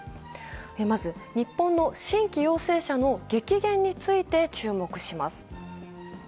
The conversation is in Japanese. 日本の新規陽性者の激減について注目します。